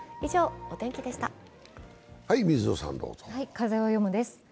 「風をよむ」です。